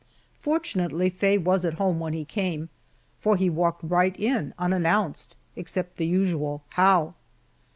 Fortunately Faye was at home when he came, for he walked right in, unannounced, except the usual "How!"